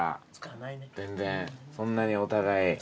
全然そんなにお互い？